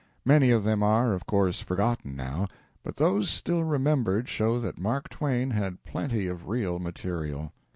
Many of them are, of course, forgotten now, but those still remembered show that Mark Twain had plenty of real material.